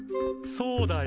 そうだよ。